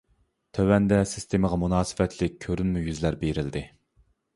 تۆۋەندە سىستېمىغا مۇناسىۋەتلىك كۆرۈنمە يۈزلەر بېرىلدى.